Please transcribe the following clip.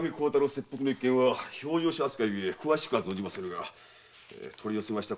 切腹の一件は評定所扱いゆえ詳しくは存じませぬが取り寄せました